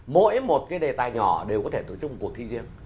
mỗi một cái đề tài nhỏ đều có thể tổ chức một cuộc thi riêng